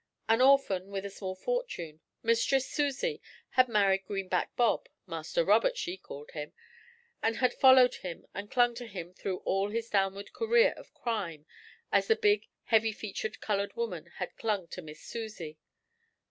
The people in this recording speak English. An orphan with a small fortune, 'Mistress Susie' had married Greenback Bob, 'Master Robert,' she called him, and had followed him and clung to him through all his downward career of crime, as the big, heavy featured coloured woman had clung to 'Missis Susie.'